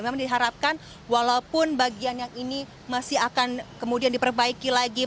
memang diharapkan walaupun bagian yang ini masih akan kemudian diperbaiki lagi